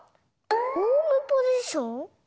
ホームポジション？